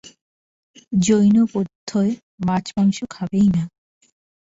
জৈন-বৌদ্ধয় মাছ মাংস খাবেই না।